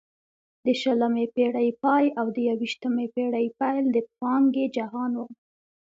د شلمې پېړۍ پای او د یوویشتمې پېړۍ پیل د پانګې جهان وو.